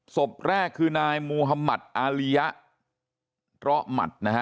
ศพแรกคือนายมูฮัมมัตต์อาลียะร้อมัตต์นะฮะ